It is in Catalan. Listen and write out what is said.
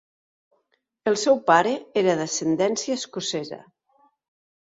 El seu pare era d'ascendència escocesa.